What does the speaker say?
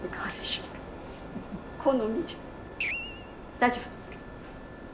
大丈夫？